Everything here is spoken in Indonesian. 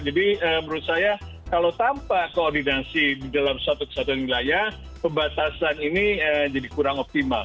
jadi menurut saya kalau tanpa koordinasi di dalam satu kesatuan wilayah pebatasan ini jadi kurang optimal